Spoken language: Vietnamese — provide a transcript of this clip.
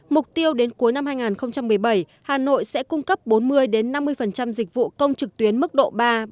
mục tiêu đến cuối năm hai nghìn một mươi bảy hà nội sẽ cung cấp bốn mươi năm mươi dịch vụ công trực tuyến mức độ ba bốn